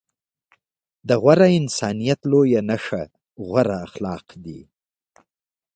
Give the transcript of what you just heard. د غوره انسانيت لويه نښه غوره اخلاق دي.